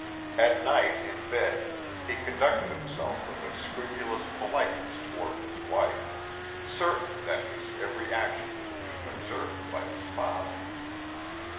At night in bed he conducted himself with a scrupulous politeness toward his wife, certain that his every action was being observed by his father.